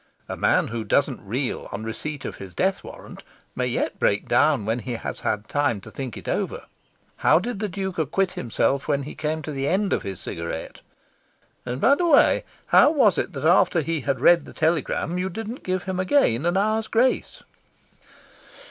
A man who doesn't reel on receipt of his death warrant may yet break down when he has had time to think it over. How did the Duke acquit himself when he came to the end of his cigarette? And by the way, how was it that after he had read the telegram you didn't give him again an hour's grace?"